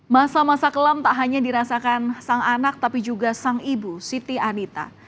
masa masa kelam tak hanya dirasakan sang anak tapi juga sang ibu siti anita